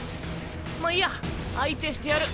まあいいや相手してやる。